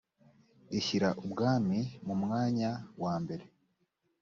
ishyira ubwami mu mwanya wa mbere